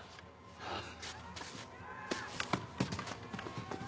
ああ。